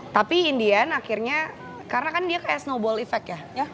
tapi indian akhirnya karena kan dia kayak snowball effect ya